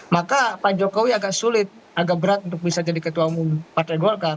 maka pak jokowi agak sulit agak berat untuk bisa jadi ketua umum partai golkar